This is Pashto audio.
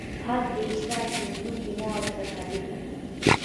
حج د اسلام د پنځو بناوو څخه دی.